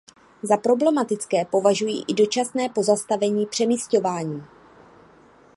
Za problematické považuji i dočasné pozastavení přemisťování.